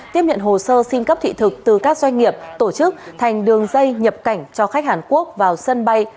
tiếp nhận hồ sơ xin cấp thị thực từ các doanh nghiệp tổ chức thành đường dây nhập cảnh cho khách hàn quốc vào sân bay